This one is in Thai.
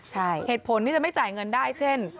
ใช่เหตุผลที่จะไม่จ่ายเงินได้เช่น